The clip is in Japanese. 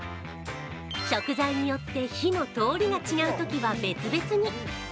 食材によって火の通りが違うときは別々に。